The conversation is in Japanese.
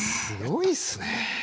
すごいっすね。